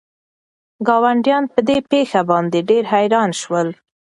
ګاونډیان په دې پېښه باندې ډېر حیران شول.